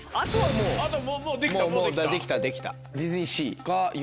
もうもうできたできた。